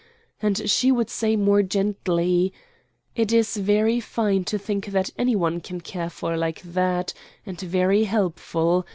And she would say more gently, "It is very fine to think that any one can care for like that, and very helpful.